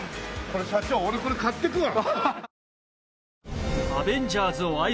社長俺これ買っていくわ。